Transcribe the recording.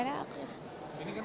dikasihnya cepet nih